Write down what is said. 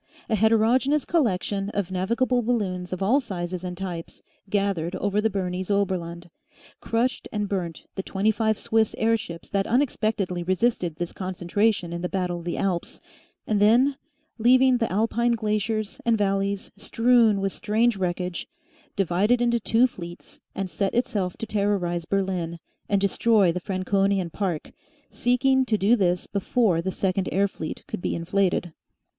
A heterogeneous collection of navigable balloons of all sizes and types gathered over the Bernese Oberland, crushed and burnt the twenty five Swiss air ships that unexpectedly resisted this concentration in the battle of the Alps, and then, leaving the Alpine glaciers and valleys strewn with strange wreckage, divided into two fleets and set itself to terrorise Berlin and destroy the Franconian Park, seeking to do this before the second air fleet could be inflated.